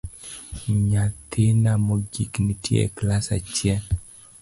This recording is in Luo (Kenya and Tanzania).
Nyathina mogik nitie e klas achiel